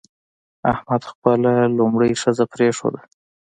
احمد خپله لومړۍ ښځه پرېښوده.